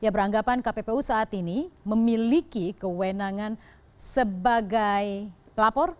beranggapan kppu saat ini memiliki kewenangan sebagai pelapor